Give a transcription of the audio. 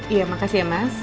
ya makasih ya mas